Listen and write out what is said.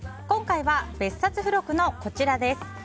今回は、別冊付録のこちらです。